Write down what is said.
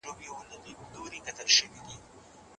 ښوونځی ماشومانو ته د ژبې سم استعمال ورزده کوي.